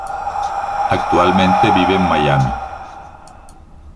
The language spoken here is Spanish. Actualmente vive en Miami.